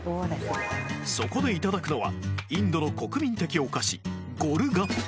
そこでいただくのはインドの国民的お菓子